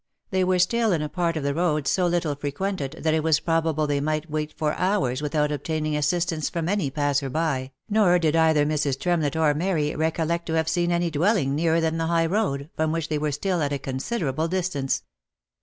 They were still in a part of the road so little frequented, that it was probable they might wait for hours without obtaining assistance from any passer by, nor did either Mrs. Tremlett or Mary recollect to have seen any dwelling nearer than the high road, from which they were still at a considerable dis tance.